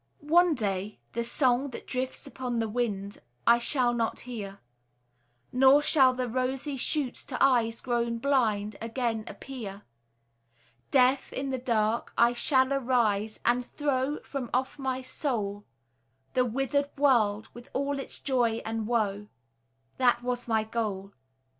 One day the song that drifts upon the wind, I shall not hear; Nor shall the rosy shoots to eyes grown blind Again appear. Deaf, in the dark, I shall arise and throw From off my soul, The withered world with all its joy and woe, That was my goal.